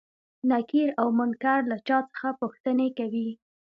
نکير او منکر له چا څخه پوښتنې کوي؟